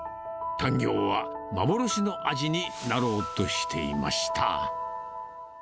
タンギョーは幻の味になろうとしていました。